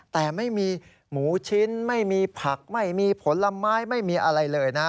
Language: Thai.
แต่ไม่มีหมูชิ้นไม่มีผักไม่มีผลไม้ไม่มีอะไรเลยนะ